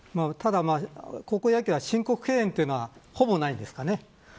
高校野球は申告敬遠というのがほぼないんですかね。